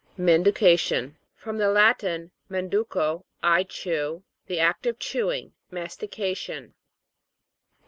MANDUCA'TION. From the Latin, manduco, I chew. The act of chewing ; mastication.